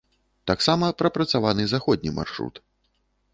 Таксама прапрацаваны заходні маршрут.